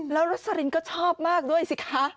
แล้วรสลินก็ชอบมากด้วยสิคะ